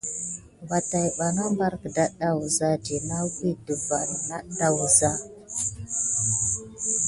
Vo täbana ɓarbar ke ɗeɗa wuza dit nekua pay ɗe van à ɗaɗa wuza.